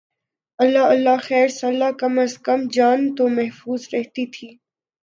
اللہ اللہ خیر سلا کم از کم جان تو محفوظ رہتی تھی۔